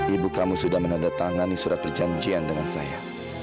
ibu kamu sudah menandatangani surat perjanjian dengan saya